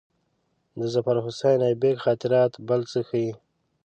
د ظفرحسن آیبک خاطرات بل څه ښيي.